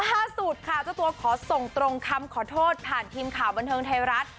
ล่าสุดค่ะเจ้าตัวขอส่งตรงคำขอโทษผ่านทีมข่าวบันเทิงไทยรัฐ